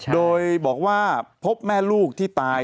โดยบอกว่าพบแม่ลูกที่ตาย